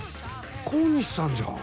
小西さんじゃん。